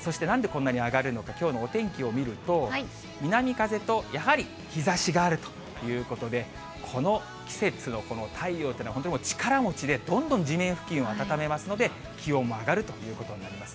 そして、なんでこんなに上がるのか、きょうのお天気を見ると、南風と、やはり日ざしがあるということで、この季節のこの太陽っていうのは、本当に力持ちで、どんどん地面付近を温めますので、気温も上がるということになります。